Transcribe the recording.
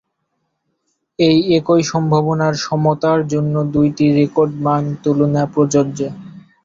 এই একই সম্ভাবনার সমতার জন্য দুটি রেকর্ড মান তুলনা প্রযোজ্য।